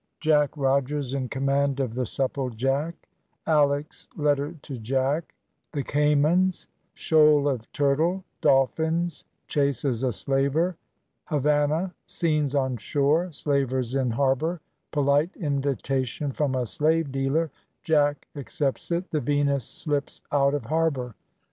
JACK ROGERS IN COMMAND OF THE SUPPLEJACK ALICK'S LETTER TO JACK THE CAYMANS SHOAL OF TURTLE DOLPHINS CHASES A SLAVER HAVANNAH SCENES ON SHORE SLAVERS IN HARBOUR POLITE INVITATION FROM A SLAVE DEALER JACK ACCEPTS IT THE VENUS SLIPS OUT OF HARBOUR.